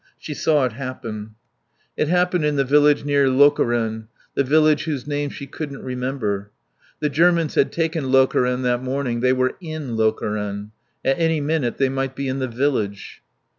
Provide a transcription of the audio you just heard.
She saw it happen. It happened in the village near Lokeren, the village whose name she couldn't remember. The Germans had taken Lokeren that morning; they were in Lokeren. At any minute they might be in the village.